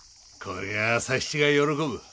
こりゃあ佐七が喜ぶ。